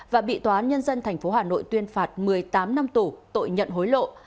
và bị tòa án nhân dân tp hà nội tuyên phạt một mươi tám năm tù tội nhận hối lộ